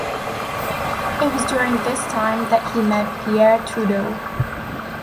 It was during this time that he met Pierre Trudeau.